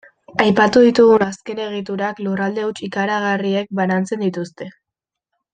Aipatu ditugun azken egiturak lurralde huts ikaragarriek banantzen dituzte.